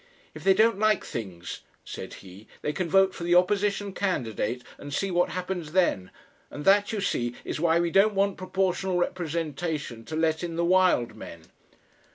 "If they don't like things," said he, "they can vote for the opposition candidate and see what happens then and that, you see, is why we don't want proportional representation to let in the wild men."